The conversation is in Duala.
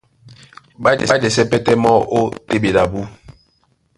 Ɓá jesɛ́ pɛ́tɛ́ mɔ́ ó téɓedi abú.